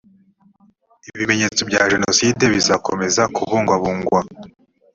ibimenyetso bya jenoside bizakomeza kubungwabungwa.